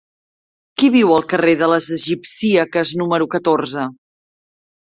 Qui viu al carrer de les Egipcíaques número catorze?